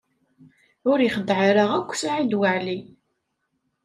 Ur ixeddeɛ ara akk Saɛid Waɛli.